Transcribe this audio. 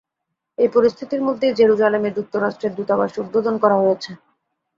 এই পরিস্থিতির মধ্যেই জেরুজালেমে যুক্তরাষ্ট্রের দূতাবাস উদ্বোধন করা হয়েছে।